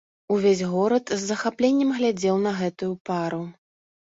Увесь горад з захапленнем глядзеў на гэтую пару.